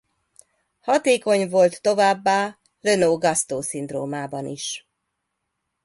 Hatékony volt továbbá Lennox-Gastaut syndromában is.